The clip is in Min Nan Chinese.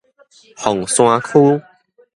鳳山區